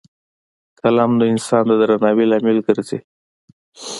قلم د انسان د درناوي لامل ګرځي